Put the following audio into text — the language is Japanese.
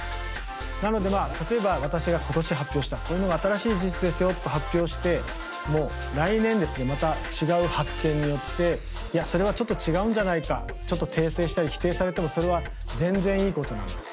なのでまあ例えば私が今年発表したこういうのが新しい事実ですよと発表しても来年ですねまた違う発見によっていやそれはちょっと違うんじゃないかちょっと訂正したり否定されてもそれは全然いいことなんです。